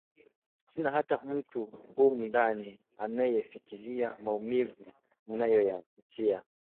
sina hata mtu humu ndani anayefikiria maumivu ninayoyapitia